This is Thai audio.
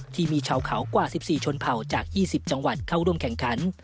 ที่มีชาวเขากว่า๑๔ชนเผ่าจาก๒๐จังหวัดเข้าร่วมแข่งขัน